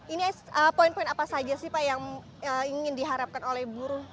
ini poin poin apa saja sih pak yang ingin diharapkan oleh buruh